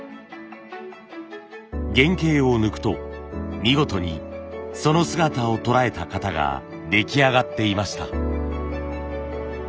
原型を抜くと見事にその姿を捉えた型が出来上がっていました。